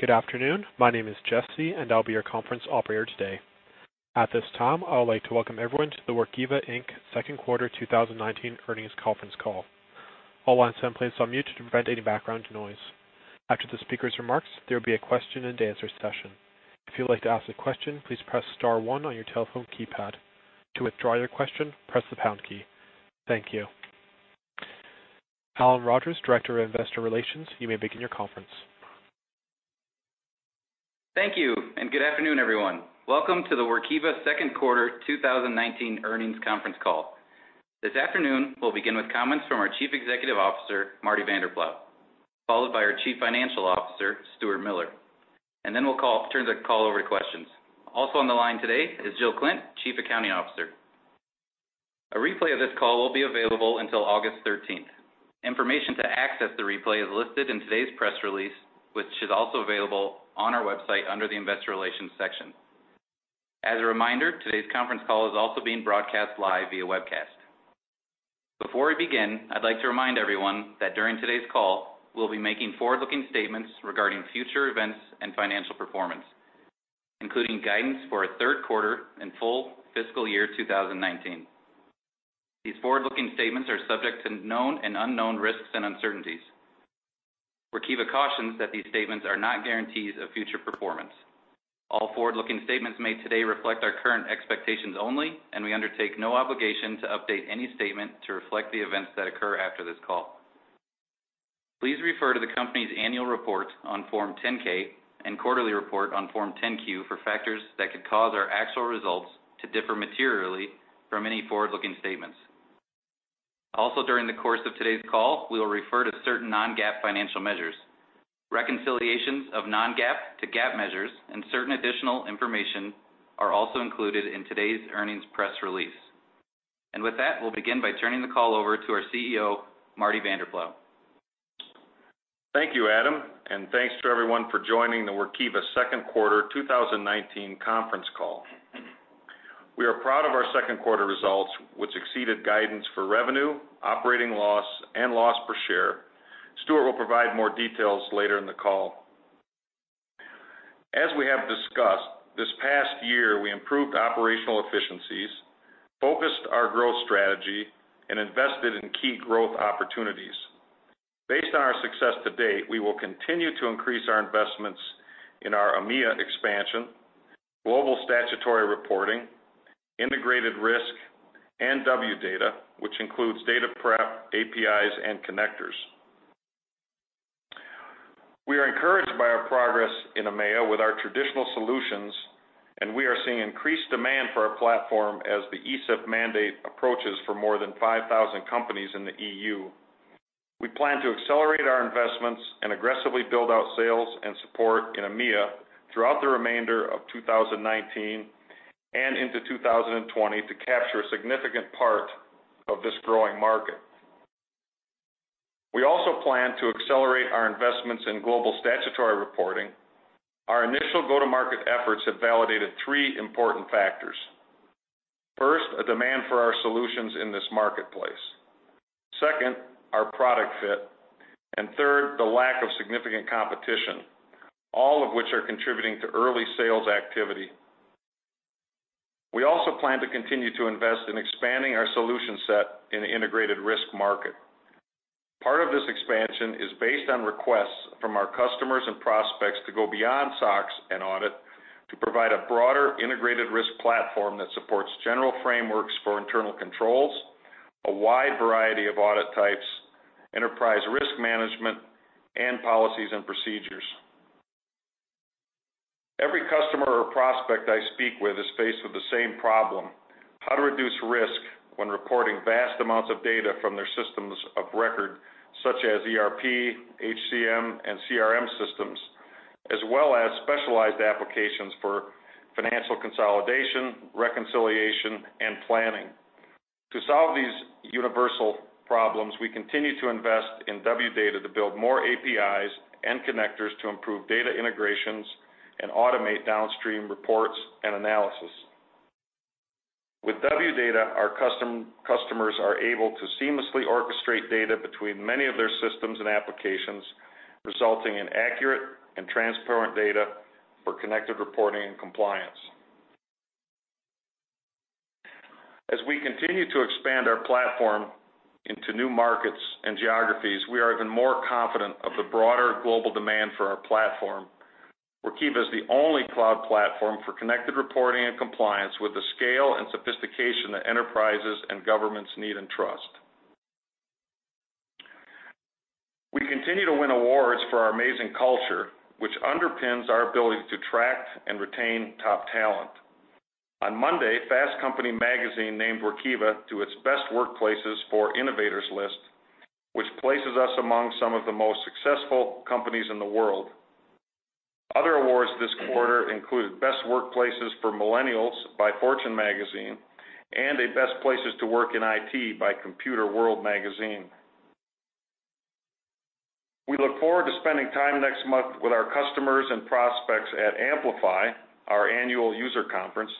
Good afternoon. My name is Jesse, and I'll be your conference operator today. At this time, I would like to welcome everyone to the Workiva Inc. Second Quarter 2019 Earnings Conference Call. All lines and phones are muted to prevent any background noise. After the speaker's remarks, there will be a question and answer session. If you'd like to ask a question, please press star 1 on your telephone keypad. To withdraw your question, press the pound key. Thank you. Adam Rogers, Investor Relations, you may begin your conference. Thank you, good afternoon, everyone. Welcome to the Workiva Second Quarter 2019 Earnings Conference Call. This afternoon, we'll begin with comments from our Chief Executive Officer, Marty Vanderploeg, followed by our Chief Financial Officer, Stuart Miller, then we'll turn the call over to questions. Also on the line today is Jill Klindt, Chief Accounting Officer. A replay of this call will be available until August 13th. Information to access the replay is listed in today's press release, which is also available on our website under the investor relations section. As a reminder, today's conference call is also being broadcast live via webcast. Before we begin, I'd like to remind everyone that during today's call, we'll be making forward-looking statements regarding future events and financial performance, including guidance for a third quarter and full fiscal year 2019. These forward-looking statements are subject to known and unknown risks and uncertainties. Workiva cautions that these statements are not guarantees of future performance. All forward-looking statements made today reflect our current expectations only, and we undertake no obligation to update any statement to reflect the events that occur after this call. Please refer to the company's annual report on Form 10-K and quarterly report on Form 10-Q for factors that could cause our actual results to differ materially from any forward-looking statements. Also, during the course of today's call, we will refer to certain non-GAAP financial measures. Reconciliations of non-GAAP to GAAP measures and certain additional information are also included in today's earnings press release. With that, we'll begin by turning the call over to our CEO, Marty Vanderploeg. Thank you, Adam, and thanks to everyone for joining the Workiva Second Quarter 2019 conference call. We are proud of our second quarter results, which exceeded guidance for revenue, operating loss, and loss per share. Stuart will provide more details later in the call. As we have discussed, this past year, we improved operational efficiencies, focused our growth strategy, and invested in key growth opportunities. Based on our success to date, we will continue to increase our investments in our EMEA expansion, Global Statutory Reporting, integrated risk, and Wdata, which includes Data Prep, APIs, and connectors. We are encouraged by our progress in EMEA with our traditional solutions, and we are seeing increased demand for our platform as the ESEF mandate approaches for more than 5,000 companies in the EU. We plan to accelerate our investments and aggressively build out sales and support in EMEA throughout the remainder of 2019 and into 2020 to capture a significant part of this growing market. We also plan to accelerate our investments in Global Statutory Reporting. Our initial go-to-market efforts have validated three important factors. First, a demand for our solutions in this marketplace. Second, our product fit. Third, the lack of significant competition, all of which are contributing to early sales activity. We also plan to continue to invest in expanding our solution set in the integrated risk market. Part of this expansion is based on requests from our customers and prospects to go beyond SOX and audit to provide a broader integrated risk platform that supports general frameworks for internal controls, a wide variety of audit types, enterprise risk management, and policies and procedures. Every customer or prospect I speak with is faced with the same problem, how to reduce risk when reporting vast amounts of data from their systems of record, such as ERP, HCM, and CRM systems, as well as specialized applications for financial consolidation, reconciliation, and planning. To solve these universal problems, we continue to invest in Wdata to build more APIs and connectors to improve data integrations and automate downstream reports and analysis. With Wdata, our customers are able to seamlessly orchestrate data between many of their systems and applications, resulting in accurate and transparent data for connected reporting and compliance. As we continue to expand our platform into new markets and geographies, we are even more confident of the broader global demand for our platform. Workiva is the only cloud platform for connected reporting and compliance with the scale and sophistication that enterprises and governments need and trust. We continue to win awards for our amazing culture, which underpins our ability to attract and retain top talent. On Monday, Fast Company magazine named Workiva to its Best Workplaces for Innovators list, which places us among some of the most successful companies in the world. Other awards this quarter included Best Workplaces for Millennials by Fortune Magazine and a Best Places to Work in IT by Computerworld Magazine. We look forward to spending time next month with our customers and prospects at Amplify, our annual user conference,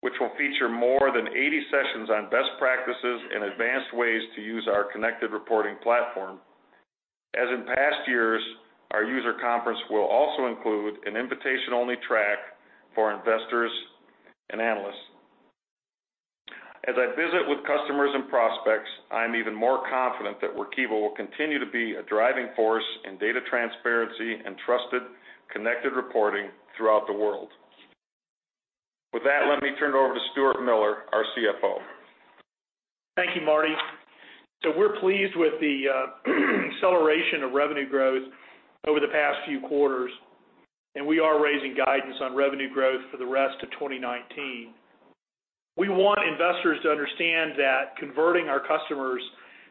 which will feature more than 80 sessions on best practices and advanced ways to use our connected reporting platform. As in past years, our user conference will also include an invitation-only track for investors and analysts. As I visit with customers and prospects, I am even more confident that Workiva will continue to be a driving force in data transparency and trusted, connected reporting throughout the world. With that, let me turn it over to Stuart Miller, our CFO. Thank you, Marty. We're pleased with the acceleration of revenue growth over the past few quarters, and we are raising guidance on revenue growth for the rest of 2019. We want investors to understand that converting our customers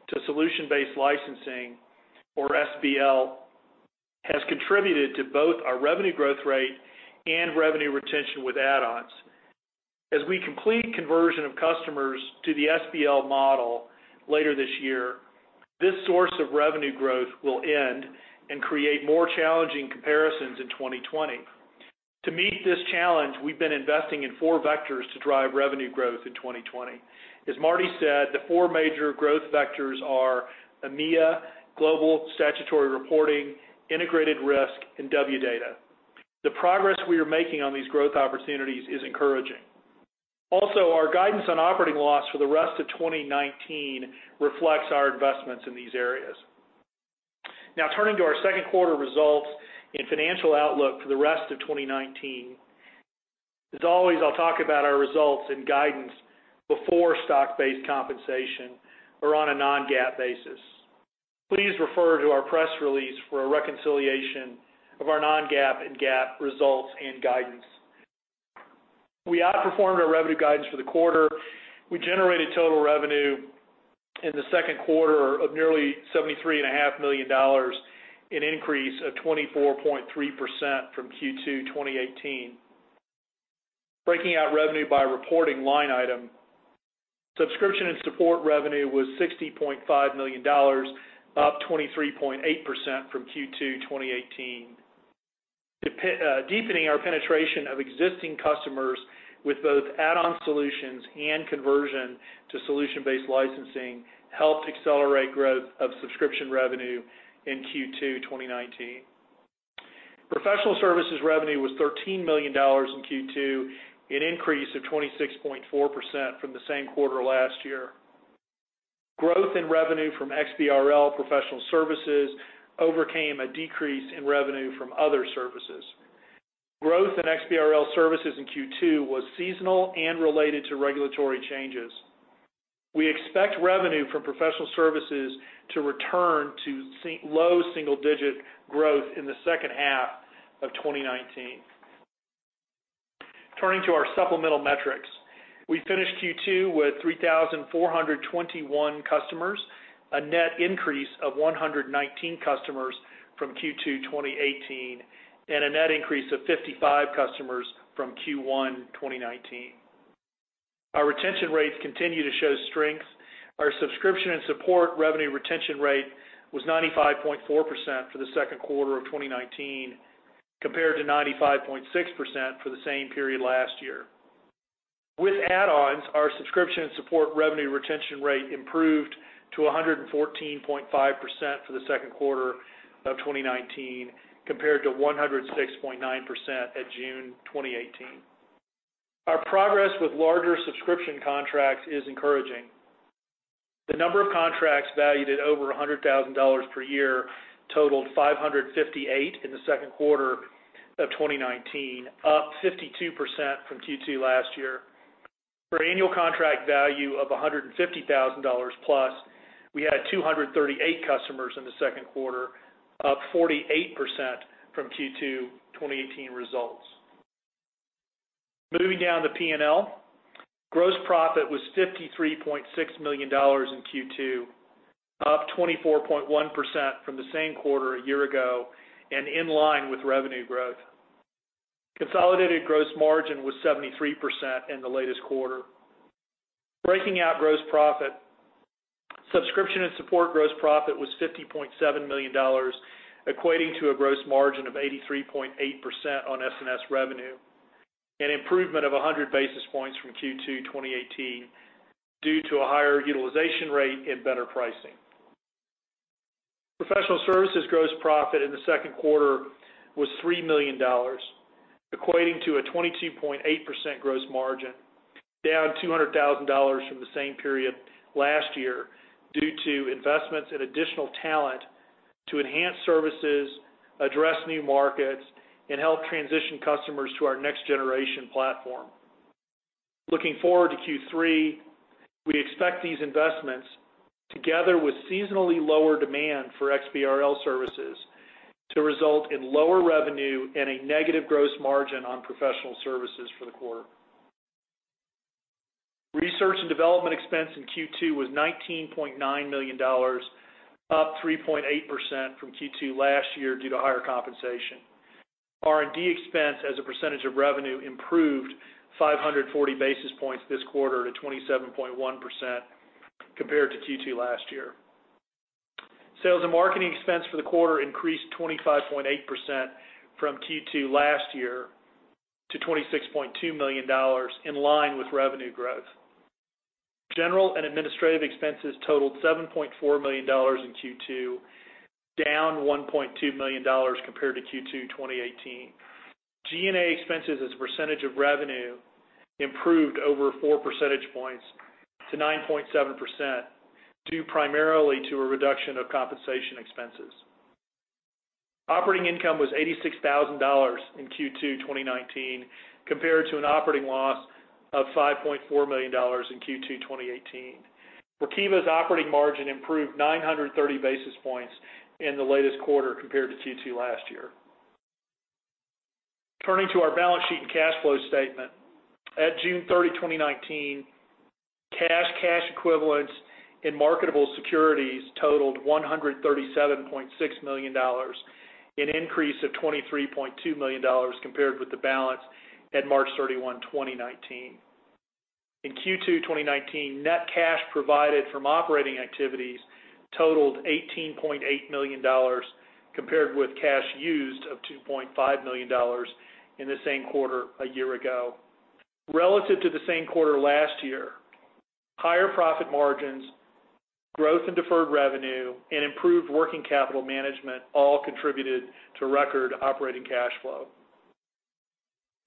to solution-based licensing, or SBL, has contributed to both our revenue growth rate and revenue retention with add-ons. As we complete conversion of customers to the SBL model later this year, this source of revenue growth will end and create more challenging comparisons in 2020. To meet this challenge, we've been investing in four vectors to drive revenue growth in 2020. As Marty said, the four major growth vectors are EMEA, Global Statutory Reporting, integrated risk, and Wdata. The progress we are making on these growth opportunities is encouraging. Also, our guidance on operating loss for the rest of 2019 reflects our investments in these areas. Now turning to our second quarter results and financial outlook for the rest of 2019. As always, I'll talk about our results and guidance before stock-based compensation or on a non-GAAP basis. Please refer to our press release for a reconciliation of our non-GAAP and GAAP results and guidance. We outperformed our revenue guidance for the quarter. We generated total revenue in the second quarter of nearly $73.5 million, an increase of 24.3% from Q2 2018. Breaking out revenue by reporting line item, subscription and support revenue was $60.5 million, up 23.8% from Q2 2018. Deepening our penetration of existing customers with both add-on solutions and conversion to solution-based licensing helped accelerate growth of subscription revenue in Q2 2019. Professional services revenue was $13 million in Q2, an increase of 26.4% from the same quarter last year. Growth in revenue from XBRL professional services overcame a decrease in revenue from other services. Growth in XBRL services in Q2 was seasonal and related to regulatory changes. We expect revenue from professional services to return to low single-digit growth in the second half of 2019. Turning to our supplemental metrics. We finished Q2 with 3,421 customers, a net increase of 119 customers from Q2 2018, and a net increase of 55 customers from Q1 2019. Our retention rates continue to show strength. Our subscription and support revenue retention rate was 95.4% for the second quarter of 2019, compared to 95.6% for the same period last year. With add-ons, our subscription and support revenue retention rate improved to 114.5% for the second quarter of 2019, compared to 106.9% at June 2018. Our progress with larger subscription contracts is encouraging. The number of contracts valued at over $100,000 per year totaled 558 in the second quarter of 2019, up 52% from Q2 last year. For annual contract value of $150,000-plus, we had 238 customers in the second quarter, up 48% from Q2 2018 results. Moving down the P&L. Gross profit was $53.6 million in Q2, up 24.1% from the same quarter a year ago, and in line with revenue growth. Consolidated gross margin was 73% in the latest quarter. Breaking out gross profit, subscription and support gross profit was $50.7 million, equating to a gross margin of 83.8% on S&S revenue, an improvement of 100 basis points from Q2 2018 due to a higher utilization rate and better pricing. Professional services gross profit in the second quarter was $3 million, equating to a 22.8% gross margin, down $200,000 from the same period last year due to investments in additional talent to enhance services, address new markets, and help transition customers to our next-generation platform. Looking forward to Q3, we expect these investments, together with seasonally lower demand for XBRL services, to result in lower revenue and a negative gross margin on professional services for the quarter. Research and development expense in Q2 was $19.9 million, up 3.8% from Q2 last year due to higher compensation. R&D expense as a percentage of revenue improved 540 basis points this quarter to 27.1% compared to Q2 last year. Sales and marketing expense for the quarter increased 25.8% from Q2 last year to $26.2 million, in line with revenue growth. General and administrative expenses totaled $7.4 million in Q2, down $1.2 million compared to Q2 2018. G&A expenses as a percentage of revenue improved over four percentage points to 9.7%, due primarily to a reduction of compensation expenses. Operating income was $86,000 in Q2 2019, compared to an operating loss of $5.4 million in Q2 2018. Workiva's operating margin improved 930 basis points in the latest quarter compared to Q2 last year. Turning to our balance sheet and cash flow statement. At June 30, 2019, cash equivalents, and marketable securities totaled $137.6 million, an increase of $23.2 million compared with the balance at March 31, 2019. In Q2 2019, net cash provided from operating activities totaled $18.8 million, compared with cash used of $2.5 million in the same quarter a year ago. Relative to the same quarter last year, higher profit margins, growth in deferred revenue, and improved working capital management all contributed to record operating cash flow.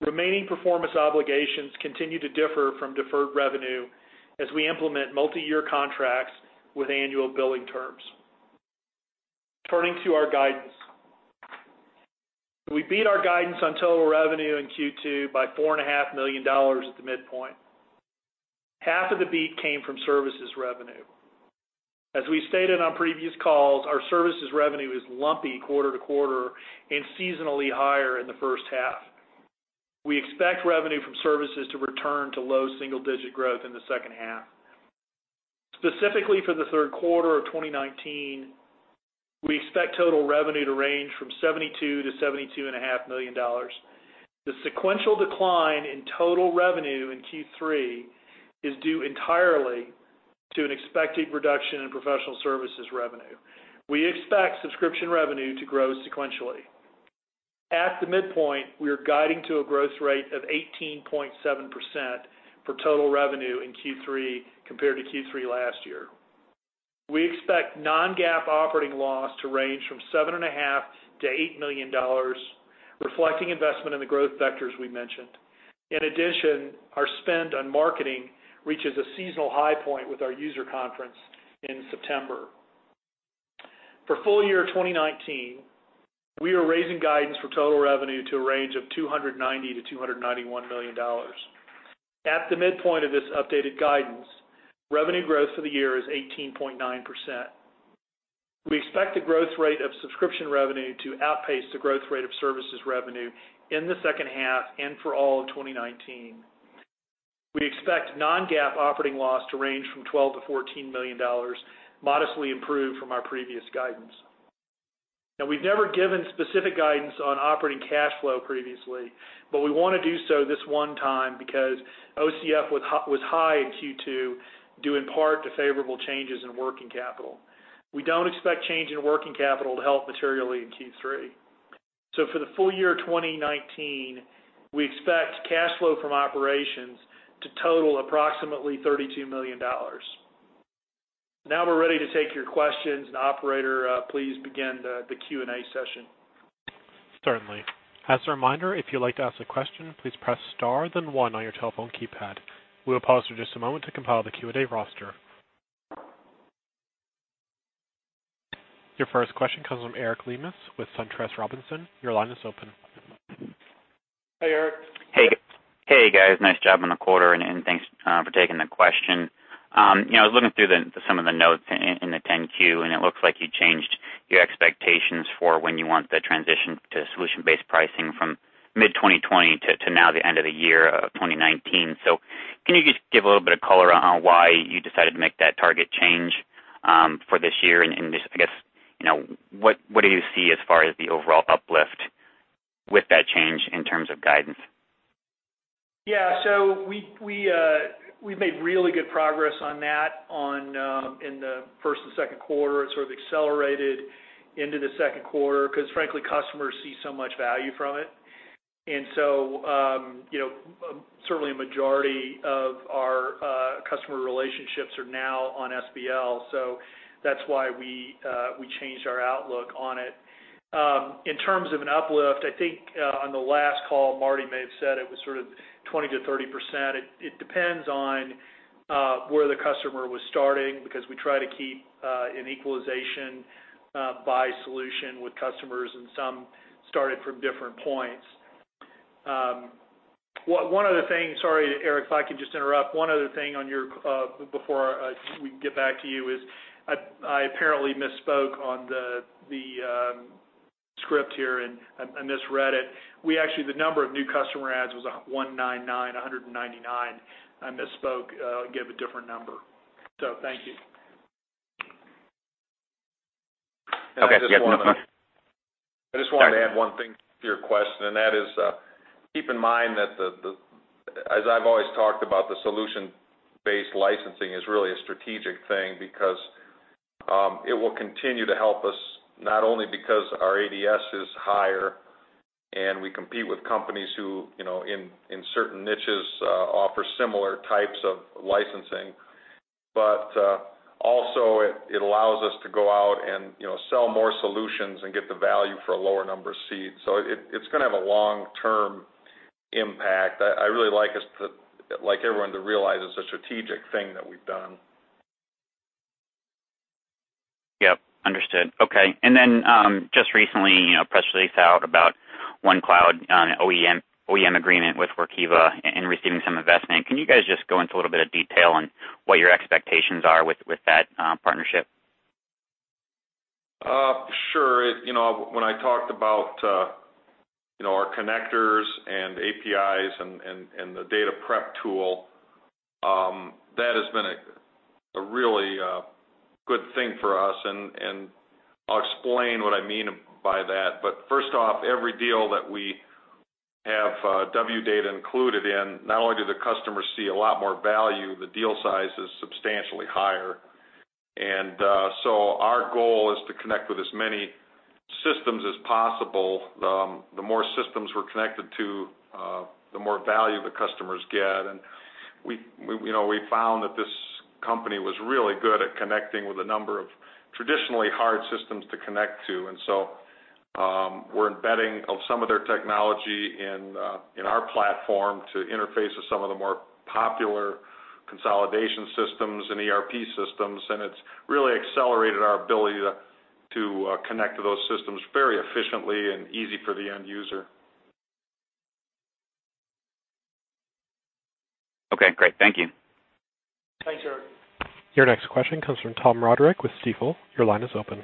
Remaining performance obligations continue to differ from deferred revenue as we implement multi-year contracts with annual billing terms. Turning to our guidance. We beat our guidance on total revenue in Q2 by $4.5 million at the midpoint. Half of the beat came from services revenue. As we stated on previous calls, our services revenue is lumpy quarter to quarter and seasonally higher in the first half. We expect revenue from services to return to low single-digit growth in the second half. Specifically for the third quarter of 2019, we expect total revenue to range from $72 million-$72.5 million. The sequential decline in total revenue in Q3 is due entirely to an expected reduction in professional services revenue. We expect subscription revenue to grow sequentially. At the midpoint, we are guiding to a growth rate of 18.7% for total revenue in Q3 compared to Q3 last year. We expect non-GAAP operating loss to range from $7.5 million-$8 million, reflecting investment in the growth vectors we mentioned. In addition, our spend on marketing reaches a seasonal high point with our user conference in September. For full year 2019, we are raising guidance for total revenue to a range of $290 million-$291 million. At the midpoint of this updated guidance, revenue growth for the year is 18.9%. We expect the growth rate of subscription revenue to outpace the growth rate of services revenue in the second half and for all of 2019. We expect non-GAAP operating loss to range from $12 million-$14 million, modestly improved from our previous guidance. We've never given specific guidance on operating cash flow previously, but we want to do so this one time because OCF was high in Q2, due in part to favorable changes in working capital. We don't expect change in working capital to help materially in Q3. For the full year 2019, we expect cash flow from operations to total approximately $32 million. We're ready to take your questions. Operator, please begin the Q&A session. Certainly. As a reminder, if you'd like to ask a question, please press star then one on your telephone keypad. We will pause for just a moment to compile the Q&A roster. Your first question comes from Eric Lemus with SunTrust Robinson. Your line is open. Hi, Eric. Hey, guys. Nice job on the quarter. Thanks for taking the question. I was looking through some of the notes in the 10-Q. It looks like you changed your expectations for when you want the transition to solution-based pricing from mid-2020 to now the end of the year of 2019. Can you give a little bit of color on why you decided to make that target change for this year and what do you see as far as the overall uplift with that change in terms of guidance? Yeah. We've made really good progress on that in the first and second quarter. It sort of accelerated into the second quarter because frankly, customers see so much value from it. Certainly a majority of our customer relationships are now on SBL, so that's why we changed our outlook on it. In terms of an uplift, I think, on the last call, Marty may have said it was sort of 20%-30%. It depends on where the customer was starting because we try to keep an equalization by solution with customers, and some started from different points. One other thing, sorry, Eric, if I could just interrupt. One other thing before we can get back to you is I apparently misspoke on the script here, and I misread it. Actually, the number of new customer adds was 199. I misspoke and gave a different number. Thank you. Okay. Yeah, no problem. I just wanted to add one thing to your question, and that is, keep in mind that as I've always talked about the solution-based licensing is really a strategic thing because it will continue to help us, not only because our ASP is higher and we compete with companies who, in certain niches, offer similar types of licensing. Also it allows us to go out and sell more solutions and get the value for a lower number of seats. It's going to have a long-term impact. I really like everyone to realize it's a strategic thing that we've done. Yep. Understood. Okay. Just recently, a press release out about OneCloud OEM agreement with Workiva and receiving some investment. Can you guys just go into a little bit of detail on what your expectations are with that partnership? Sure. When I talked about our connectors and APIs and the Data Prep tool, that has been a really good thing for us, and I'll explain what I mean by that. First off, every deal that we have Wdata included in, not only do the customers see a lot more value, the deal size is substantially higher. Our goal is to connect with as many systems as possible. The more systems we're connected to, the more value the customers get. We found that this company was really good at connecting with a number of traditionally hard systems to connect to. We're embedding some of their technology in our platform to interface with some of the more popular consolidation systems and ERP systems. It's really accelerated our ability to connect to those systems very efficiently and easy for the end user. Okay, great. Thank you. Thanks, Eric. Your next question comes from Tom Roderick with Stifel. Your line is open.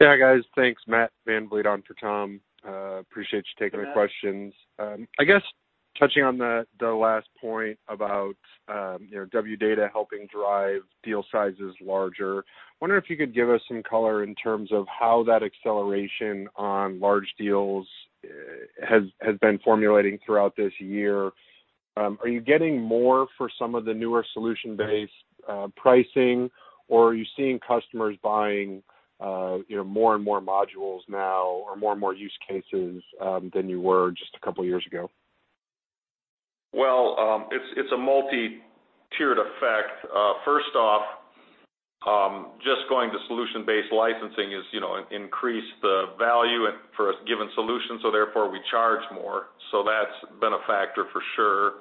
Yeah, guys. Thanks, Matt Van Vliet on for Tom. Appreciate you taking the questions. You bet. I guess touching on the last point about Wdata helping drive deal sizes larger. Wondering if you could give us some color in terms of how that acceleration on large deals has been formulating throughout this year. Are you getting more for some of the newer solution-based pricing, or are you seeing customers buying more and more modules now, or more and more use cases than you were just a couple of years ago? Well, it's a multi-tiered effect. First off, just going to solution-based licensing increased the value for a given solution. Therefore, we charge more. That's been a factor for sure.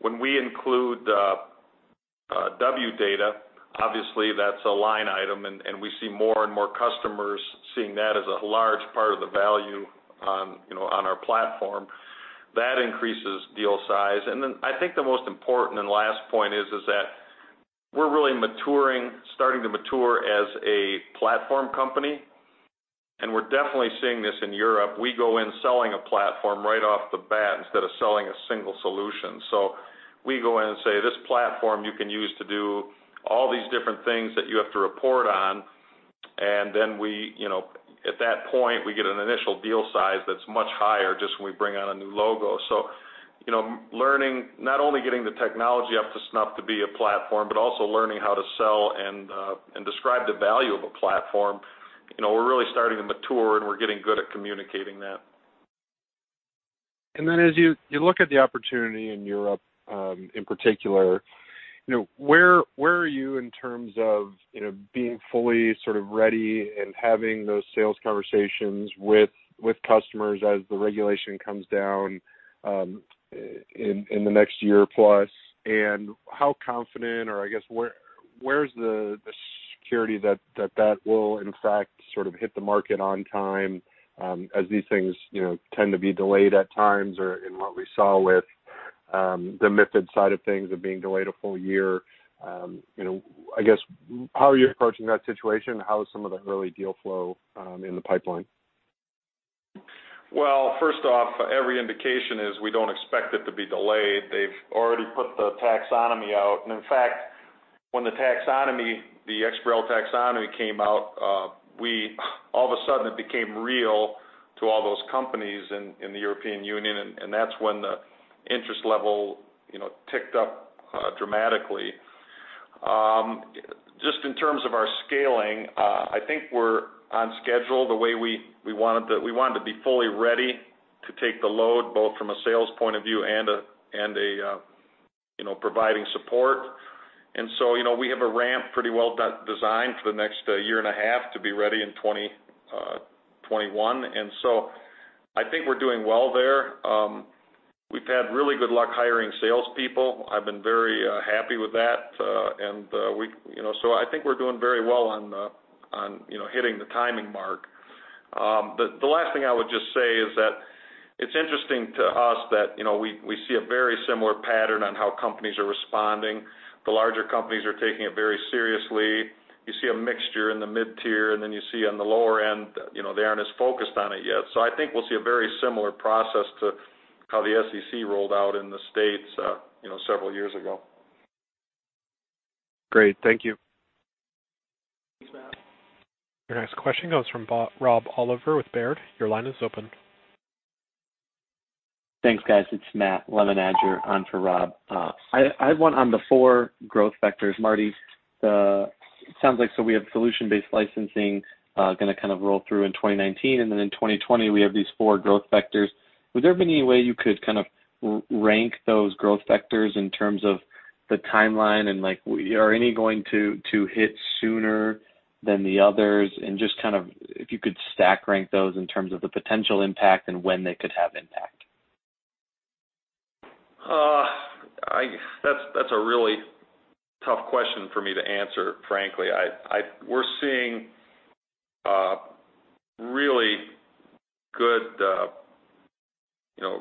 When we include Wdata, obviously that's a line item. We see more and more customers seeing that as a large part of the value on our platform. That increases deal size. Then I think the most important and last point is that we're really starting to mature as a platform company. We're definitely seeing this in Europe. We go in selling a platform right off the bat instead of selling a single solution. We go in and say, "This platform you can use to do all these different things that you have to report on." At that point, we get an initial deal size that's much higher just when we bring on a new logo. Learning, not only getting the technology up to snuff to be a platform, but also learning how to sell and describe the value of a platform. We're really starting to mature, and we're getting good at communicating that. As you look at the opportunity in Europe, in particular, where are you in terms of being fully sort of ready and having those sales conversations with customers as the regulation comes down in the next year plus, and how confident or where's the security that will in fact sort of hit the market on time? As these things tend to be delayed at times or in what we saw with the MiFID side of things of being delayed a full year. How are you approaching that situation? How is some of the early deal flow in the pipeline? Well, first off, every indication is we don't expect it to be delayed. They've already put the taxonomy out. In fact, when the taxonomy, the XBRL taxonomy came out, all of a sudden it became real to all those companies in the European Union. That's when the interest level ticked up dramatically. Just in terms of our scaling, I think we're on schedule the way we wanted to be fully ready to take the load, both from a sales point of view and providing support. We have a ramp pretty well designed for the next year and a half to be ready in 2021. I think we're doing well there. We've had really good luck hiring salespeople. I've been very happy with that. I think we're doing very well on hitting the timing mark. The last thing I would just say is that it's interesting to us that we see a very similar pattern on how companies are responding. The larger companies are taking it very seriously. You see a mixture in the mid-tier, and then you see on the lower end, they aren't as focused on it yet. I think we'll see a very similar process to how the SEC rolled out in the States several years ago. Great. Thank you. Thanks, Matt. Your next question comes from Rob Oliver with Baird. Your line is open. Thanks, guys. It's Matthew Lemenager on for Rob. I have one on the four growth vectors. Marty, it sounds like we have solution-based licensing going to kind of roll through in 2019, and then in 2020, we have these four growth vectors. Would there be any way you could kind of rank those growth vectors in terms of the timeline, and are any going to hit sooner than the others? Just kind of if you could stack rank those in terms of the potential impact and when they could have impact. That's a really tough question for me to answer, frankly. We're seeing really good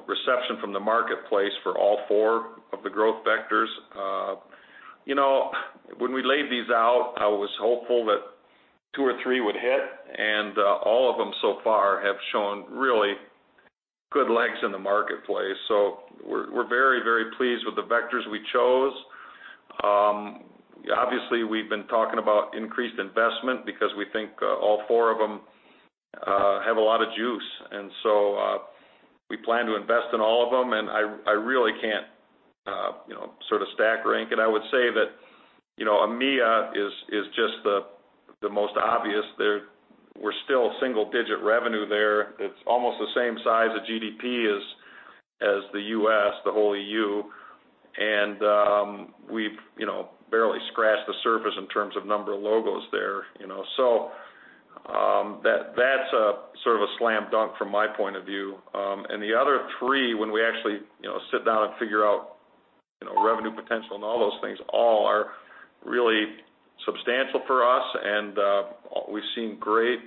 reception from the marketplace for all four of the growth vectors. When we laid these out, I was hopeful that two or three would hit, and all of them so far have shown really good legs in the marketplace. We're very pleased with the vectors we chose. Obviously, we've been talking about increased investment because we think all four of them have a lot of juice, and so we plan to invest in all of them, and I really can't sort of stack rank it. I would say that EMEA is just the most obvious there. We're still single-digit revenue there. It's almost the same size of GDP as the U.S., the whole EU. We've barely scratched the surface in terms of number of logos there. That's sort of a slam dunk from my point of view. The other three, when we actually sit down and figure out revenue potential and all those things, all are really substantial for us, and we've seen great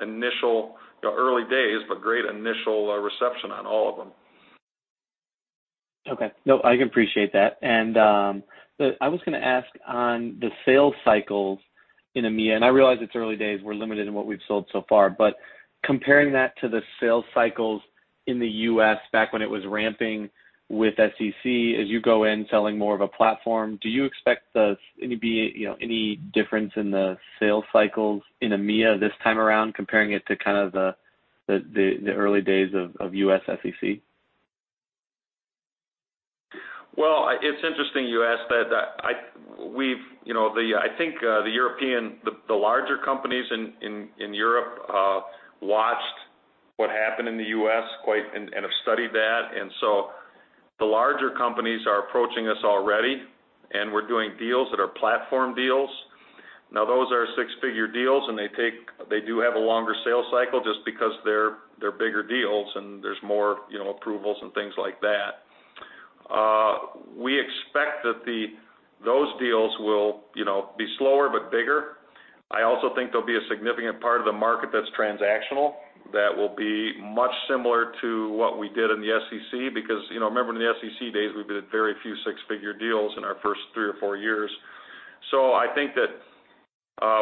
initial, early days, but great initial reception on all of them. Okay. No, I can appreciate that. I was going to ask on the sales cycles in EMEA, I realize it's early days, we're limited in what we've sold so far. Comparing that to the sales cycles in the U.S. back when it was ramping with SEC, as you go in selling more of a platform, do you expect there to be any difference in the sales cycles in EMEA this time around, comparing it to kind of the early days of U.S. SEC? Well, it's interesting you ask that. I think the larger companies in Europe watched what happened in the U.S. quite and have studied that. The larger companies are approaching us already, and we're doing deals that are six-figure platform deals. Now, those are six-figure deals, and they do have a longer sales cycle just because they're bigger deals and there's more approvals and things like that. We expect that those deals will be slower but bigger. I also think there'll be a significant part of the market that's transactional that will be much similar to what we did in the SEC because remember in the SEC days, we did very few six-figure deals in our first three or four years. I think that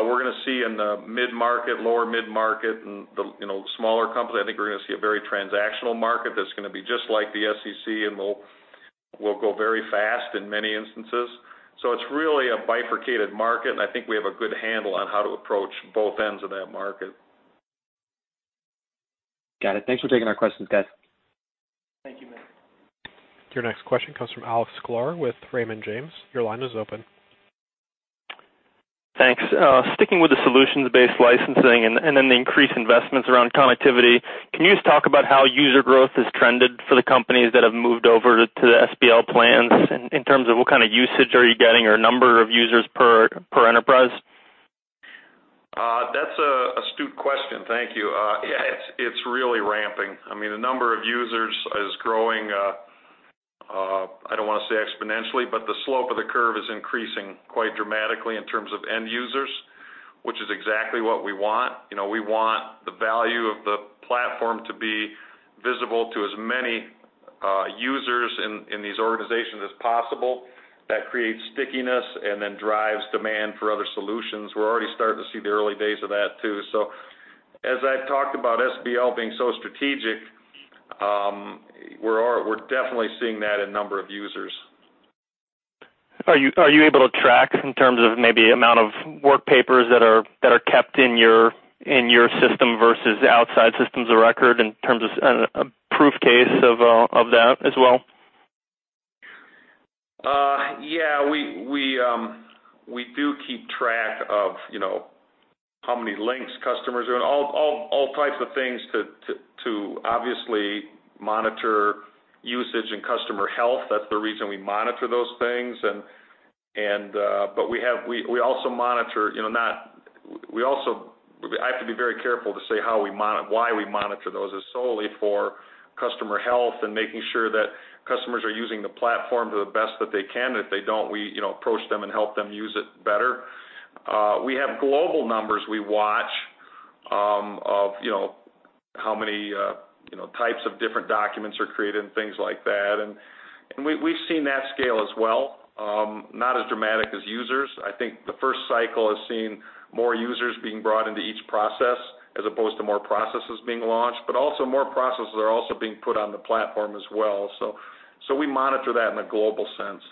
we're going to see in the mid-market, lower mid-market, and the smaller companies, I think we're going to see a very transactional market that's going to be just like the SEC, and we'll go very fast in many instances. It's really a bifurcated market, and I think we have a good handle on how to approach both ends of that market. Got it. Thanks for taking our questions, guys. Thank you, Matt. Your next question comes from Alexander Sklar with Raymond James. Your line is open. Thanks. Sticking with the solutions-based licensing and then the increased investments around connectivity, can you just talk about how user growth has trended for the companies that have moved over to the SBL plans in terms of what kind of usage are you getting or number of users per enterprise? That's an astute question. Thank you. Yeah, it's really ramping. The number of users is growing, I don't want to say exponentially, but the slope of the curve is increasing quite dramatically in terms of end users, which is exactly what we want. We want the value of the platform to be visible to as many users in these organizations as possible. That creates stickiness and then drives demand for other solutions. We're already starting to see the early days of that, too. As I've talked about SBL being so strategic, we're definitely seeing that in number of users. Are you able to track in terms of maybe amount of work papers that are kept in your system versus outside systems of record in terms of proof case of that as well? Yeah, we do keep track of how many links customers are, all types of things, to obviously monitor usage and customer health. That's the reason we monitor those things. I have to be very careful to say why we monitor those, is solely for customer health and making sure that customers are using the platform to the best that they can. If they don't, we approach them and help them use it better. We have global numbers we watch of how many types of different documents are created and things like that. We've seen that scale as well. Not as dramatic as users. I think the first cycle has seen more users being brought into each process as opposed to more processes being launched, but also more processes are also being put on the platform as well. We monitor that in a global sense.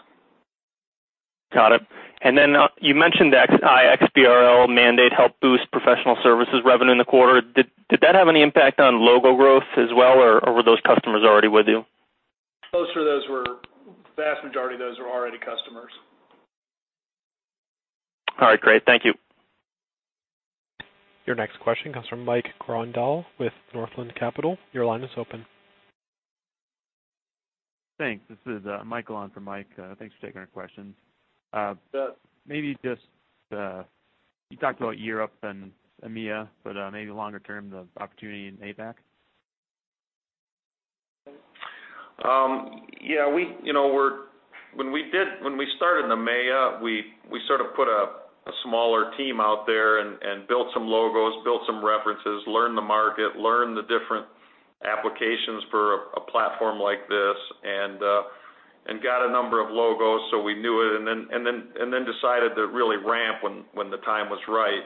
Got it. You mentioned the iXBRL mandate helped boost professional services revenue in the quarter. Did that have any impact on logo growth as well, or were those customers already with you? Vast majority of those were already customers. All right, great. Thank you. Your next question comes from Mike Grondahl with Northland Capital. Your line is open. Thanks. This is Michael on for Michael. Thanks for taking our questions. You talked about Europe and EMEA, but maybe longer term, the opportunity in APAC? Yeah. When we started in the EMEA, we sort of put a smaller team out there and built some logos, built some references, learned the market, learned the different applications for a platform like this, and got a number of logos, so we knew it. Then decided to really ramp when the time was right.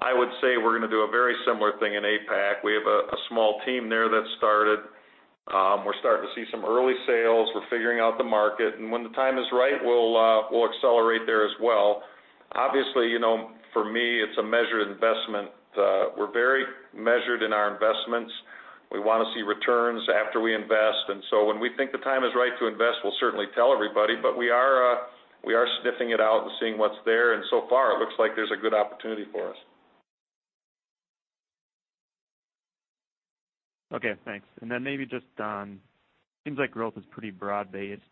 I would say we're going to do a very similar thing in APAC. We have a small team there that started. We're starting to see some early sales. We're figuring out the market, and when the time is right, we'll accelerate there as well. Obviously, for me, it's a measured investment. We're very measured in our investments. We want to see returns after we invest, so when we think the time is right to invest, we'll certainly tell everybody. We are sniffing it out and seeing what's there, and so far, it looks like there's a good opportunity for us. Okay, thanks. Maybe just on, seems like growth is pretty broad-based,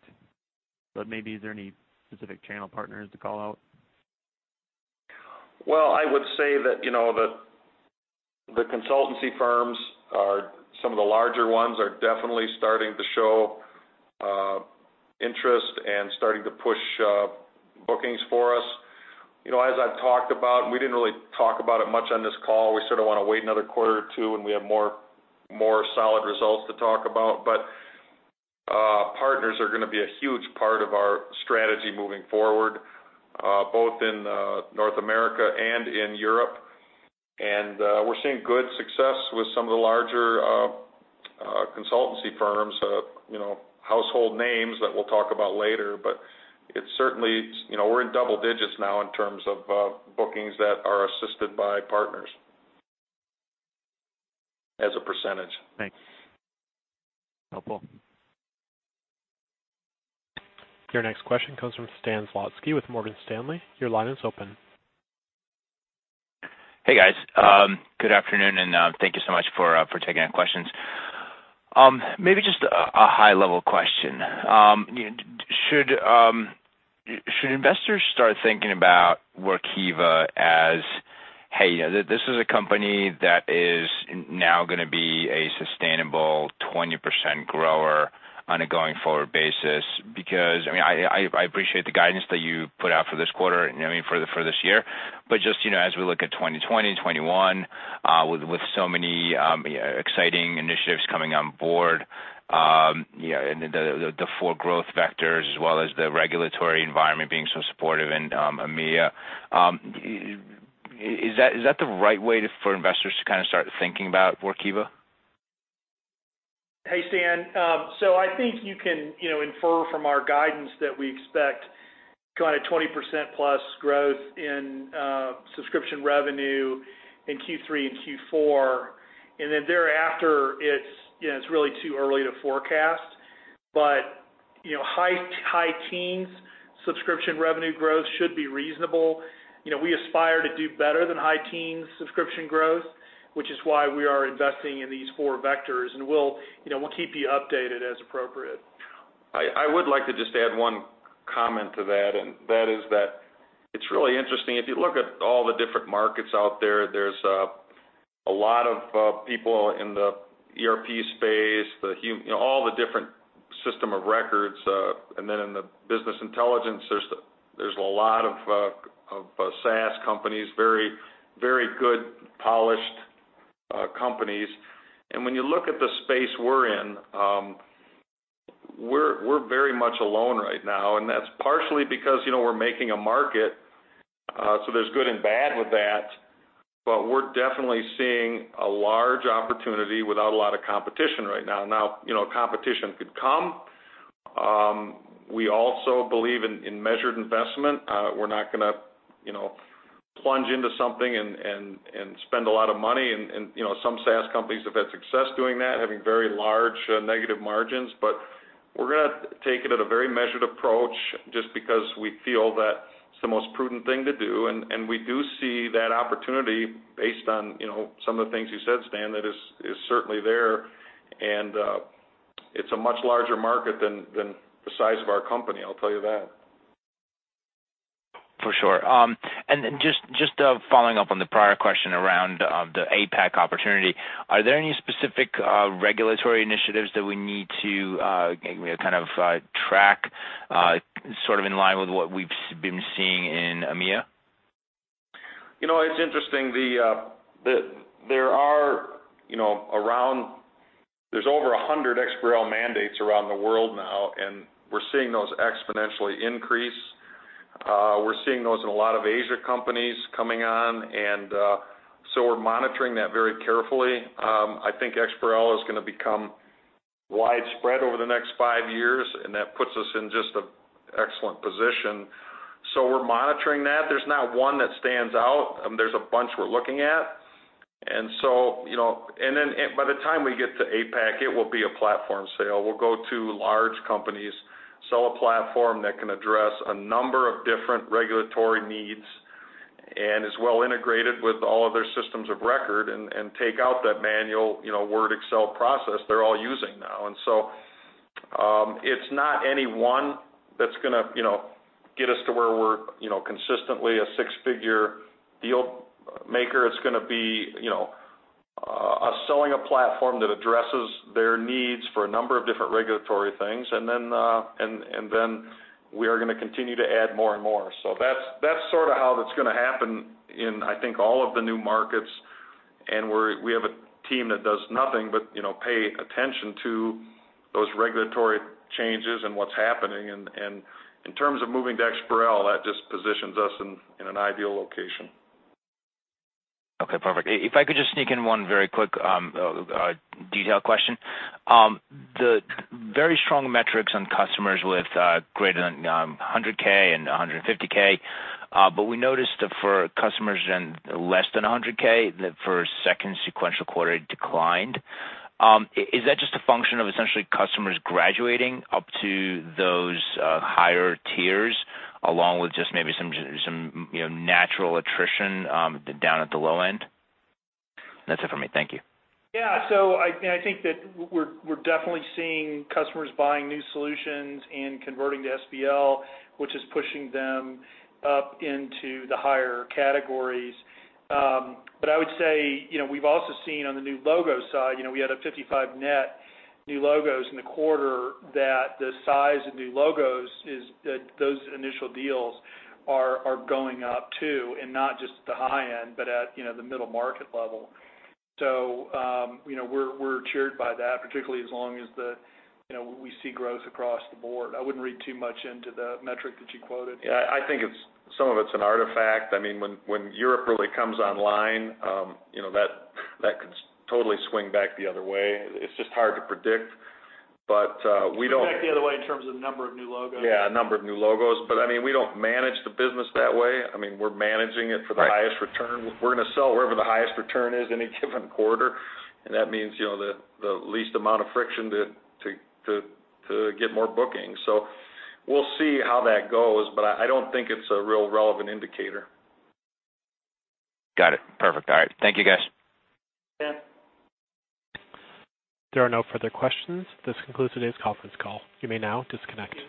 but maybe is there any specific channel partners to call out? Well, I would say that the consultancy firms are, some of the larger ones are definitely starting to show interest and starting to push bookings for us. As I've talked about, and we didn't really talk about it much on this call, we sort of want to wait another quarter or two when we have more solid results to talk about, but partners are going to be a huge part of our strategy moving forward, both in North America and in Europe. We're seeing good success with some of the larger consultancy firms, household names that we'll talk about later. It's certainly, we're in double digits now in terms of bookings that are assisted by partners as a percentage. Thanks. Helpful. Your next question comes from Stan Zlotnick with Morgan Stanley. Your line is open. Hey, guys. Good afternoon, and thank you so much for taking our questions. Maybe just a high-level question. Should investors start thinking about Workiva as, hey, this is a company that is now gonna be a sustainable 20% grower on a going-forward basis? I appreciate the guidance that you put out for this quarter, and for this year. As we look at 2020, 2021, with so many exciting initiatives coming on board, and the four growth vectors as well as the regulatory environment being so supportive in EMEA. Is that the right way for investors to kind of start thinking about Workiva? Hey, Stan. I think you can infer from our guidance that we expect kind of 20% plus growth in subscription revenue in Q3 and Q4. Thereafter, it's really too early to forecast. High teens subscription revenue growth should be reasonable. We aspire to do better than high teens subscription growth, which is why we are investing in these 4 vectors, and we'll keep you updated as appropriate. I would like to just add one comment to that, and that is that it's really interesting. If you look at all the different markets out there's a lot of people in the ERP space, all the different system of records, then in the business intelligence system, there's a lot of SaaS companies, very good, polished companies. When you look at the space we're in, we're very much alone right now, and that's partially because we're making a market, there's good and bad with that. We're definitely seeing a large opportunity without a lot of competition right now. Now, competition could come. We also believe in measured investment. We're not gonna plunge into something and spend a lot of money. Some SaaS companies have had success doing that, having very large negative margins. We're gonna take it at a very measured approach just because we feel that it's the most prudent thing to do. We do see that opportunity based on some of the things you said, Stan, that is certainly there. It's a much larger market than the size of our company, I'll tell you that. For sure. Just following up on the prior question around the APAC opportunity, are there any specific regulatory initiatives that we need to kind of track sort of in line with what we've been seeing in EMEA? It's interesting. There's over 100 XBRL mandates around the world now, and we're seeing those exponentially increase noticing a lot of Asia companies coming on, and so we're monitoring that very carefully. I think iXBRL is going to become widespread over the next five years, and that puts us in just an excellent position. We're monitoring that. There's not one that stands out. There's a bunch we're looking at. By the time we get to APAC, it will be a platform sale. We'll go to large companies, sell a platform that can address a number of different regulatory needs, and is well integrated with all of their systems of record, and take out that manual Word, Excel process they're all using now. It's not any one that's going to get us to where we're consistently a six-figure deal maker. It's going to be us selling a platform that addresses their needs for a number of different regulatory things. We are going to continue to add more and more. That's sort of how that's going to happen in, I think, all of the new markets, and we have a team that does nothing but pay attention to those regulatory changes and what's happening. In terms of moving to iXBRL, that just positions us in an ideal location. Okay, perfect. If I could just sneak in one very quick detail question. The very strong metrics on customers with greater than $100K and $150K, but we noticed that for customers in less than $100K, for a second sequential quarter, it declined. Is that just a function of essentially customers graduating up to those higher tiers along with just maybe some natural attrition down at the low end? That's it for me. Thank you. Yeah. I think that we're definitely seeing customers buying new solutions and converting to SBL, which is pushing them up into the higher categories. I would say, we've also seen on the new logo side, we had 55 net new logos in the quarter, that the size of new logos is that those initial deals are going up too, and not just at the high end, but at the middle market level. We're cheered by that, particularly as long as we see growth across the board. I wouldn't read too much into the metric that you quoted. Yeah, I think some of it's an artifact. When Europe really comes online, that could totally swing back the other way. It's just hard to predict, but we don't- Swing back the other way in terms of number of new logos? Yeah, number of new logos. We don't manage the business that way. We're managing it for the highest return. We're going to sell wherever the highest return is any given quarter, and that means the least amount of friction to get more bookings. We'll see how that goes, but I don't think it's a real relevant indicator. Got it. Perfect. All right. Thank you, guys. Yeah. There are no further questions. This concludes today's conference call. You may now disconnect.